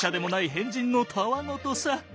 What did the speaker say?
変人のたわごとさ。